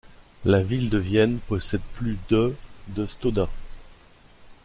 La ville de Vienne possède plus de de Stauda.